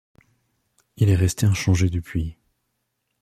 Il est resté inchangé depuis.